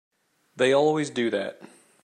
They always do that.